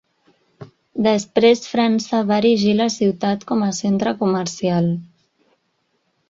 Després França va erigir la ciutat com a centre comercial.